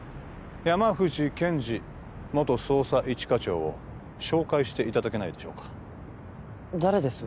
山藤憲治元捜査一課長を紹介していただけないでしょうか誰です？